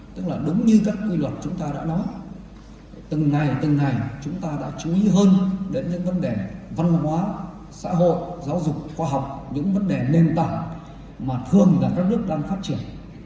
tức là đúng như các quy luật chúng ta đã nói từng ngày từng ngày chúng ta đã chú ý hơn đến những vấn đề văn hóa xã hội giáo dục khoa học những vấn đề nền tảng mà thường là các nước đang phát triển